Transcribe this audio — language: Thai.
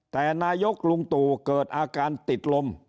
แต่นายกลุงตู่เกิดอาการติดลม